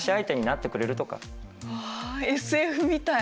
ああＳＦみたい！